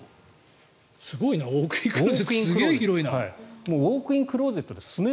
すごいウォークインクローゼットが広いね。